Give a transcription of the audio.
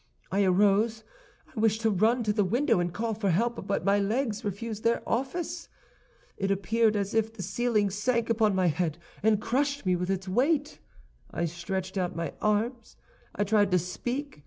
I arose. I wished to run to the window and call for help, but my legs refused their office. It appeared as if the ceiling sank upon my head and crushed me with its weight. I stretched out my arms. I tried to speak.